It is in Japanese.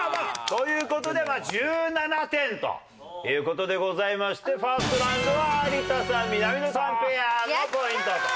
という事で１７点という事でございましてファーストラウンドは有田さん・南野さんペアのポイントと。